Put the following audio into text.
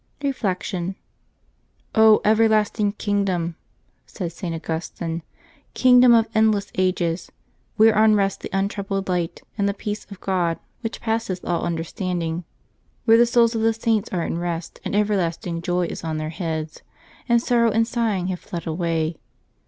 Reflection. —" everlasting kingdom," said St. Augus tine; "kingdom of endless ages, whereon rests the un troubled light and the peace of God which passeth all understanding, where the souls of the Saints are in rest, and everlasting joy is on their heads, and sorrow and sighing have fled away!